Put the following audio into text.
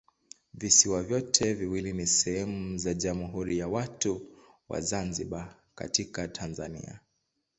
Visiwa vyote viwili ni sehemu za Jamhuri ya Watu wa Zanzibar katika Tanzania.